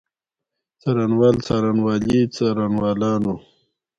څارنوال، څارنوالي، څارنوالانو.